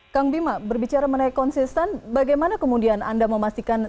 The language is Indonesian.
kang bima berbicara menaik konsisten bagaimana kemudian anda memastikan